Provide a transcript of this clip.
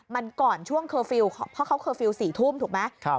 มันก่อนช่วงเคอร์ฟิลล์เพราะเขาเคอร์ฟิลล์๔ทุ่มถูกไหม